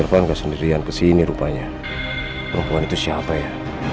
hai pak irfan ke sendirian kesini rupanya perempuan itu siapa ya